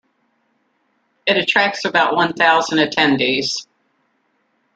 It attracts about one thousand attendees.